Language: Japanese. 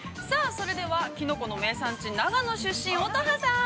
それではキノコの名産地長野出身、乙葉さん